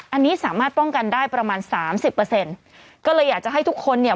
อันนี้สามารถป้องกันได้ประมาณสามสิบเปอร์เซ็นต์ก็เลยอยากจะให้ทุกคนเนี่ย